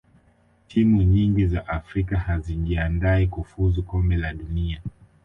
timu nyingi za afrika hazijiandai kufuzu kombe la dunia